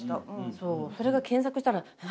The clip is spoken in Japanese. そうそれが検索したら「何？